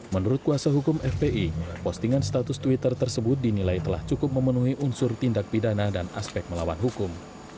menurut kuasa hukum fpi postingan status twitter tersebut dinilai telah cukup memenuhi unsur tindak pidana dan aspek melawan hukum